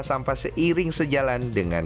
sampah seiring sejalan dengan